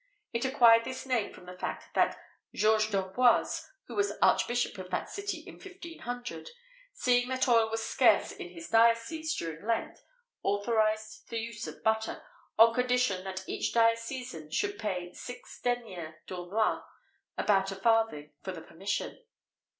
It acquired this name from the fact that George d'Amboise, who was archbishop of that city in 1500, seeing that oil was scarce in his diocese during Lent, authorised the use of butter, on condition that each diocesan should pay six deniers Tournois (about a farthing) for the permission.